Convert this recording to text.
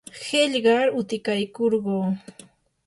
qillqar utikaykurquu.